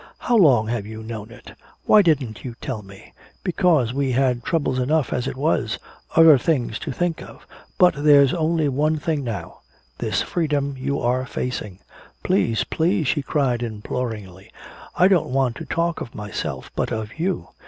"How long have you known it? Why didn't you tell me?" "Because we had troubles enough as it was, other things to think of. But there's only one thing now, this freedom you are facing." "Please! Please!" she cried imploringly. "I don't want to talk of myself but of you!